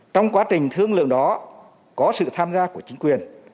trong quá trình thương lượng đó có sự tham gia của chính quyền